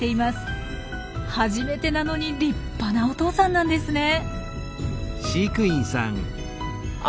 初めてなのに立派なお父さんなんですね。